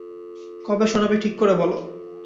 কবে শোনাবে ঠিক করে বলো।